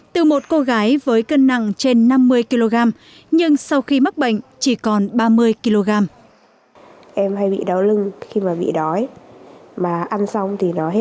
từ một cô gái với cân nặng trên năm mươi kg nhưng sau khi mắc bệnh chỉ còn ba mươi kg